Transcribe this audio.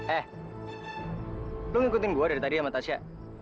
eh lo ngikutin gue dari tadi ya sama tasya